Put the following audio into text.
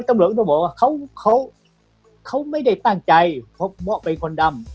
มันต้องบอกว่าเขาไม่ได้ตั้งใจเพราะเหมือนเป็นคนดำ